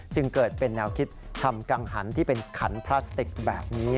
จึงเกิดเป็นแนวคิดทำกังหันที่เป็นขันพลาสติกแบบนี้